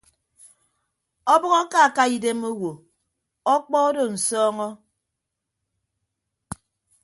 Ọbʌk akaka idem owo ọkpọ odo nsọọñọ.